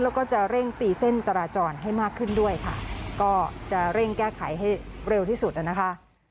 แล้วก็จะเร่งตีเส้นจราจรให้มากขึ้นด้วยค่ะก็จะเร่งแก้ไขให้เร็วที่สุดนะคะ